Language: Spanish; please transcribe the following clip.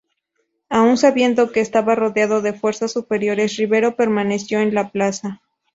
Aun sabiendo que estaba rodeado de fuerzas superiores, Rivero permaneció en la plaza.